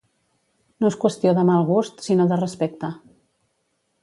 No és qüestió de mal gust, sinó de respecte.